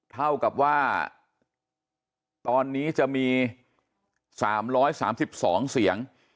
เท่ากับว่าตอนนี้จะมี๓๓๒เสียง